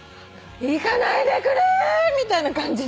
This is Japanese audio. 「行かないでくれ」みたいな感じで。